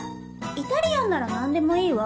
イタリアンならなんでもいいわ。